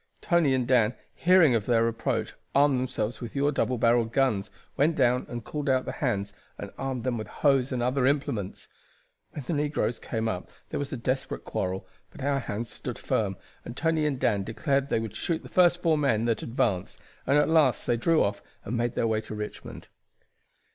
Tony and Dan, hearing of their approach, armed themselves with your double barreled guns, went down and called out the hands and armed them with hoes and other implements. When the negroes came up there was a desperate quarrel, but our hands stood firm, and Tony and Dan declared that they would shoot the first four men that advanced, and at last they drew off and made their way to Richmond.